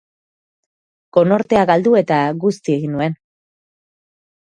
Konortea galdu eta guzti egin nuen.